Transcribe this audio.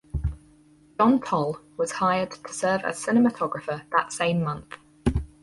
John Toll was hired to serve as cinematographer that same month.